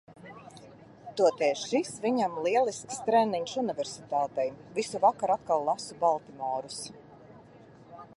Toties šis viņam lielisks treniņš universitātei. Visu vakaru atkal lasu "Baltimorus".